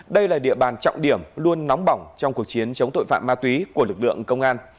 đây là địa bàn trọng điểm luôn nóng bỏng trong cuộc chiến chống tội phạm ma túy của lực lượng công an